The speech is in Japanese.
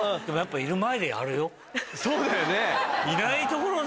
そうだよね。